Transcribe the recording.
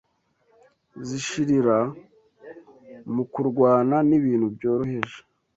zishirira mu kurwana n’ibintu byoroheje